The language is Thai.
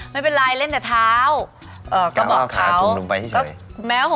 ไม่เป็นไรเล่นแต่เท้า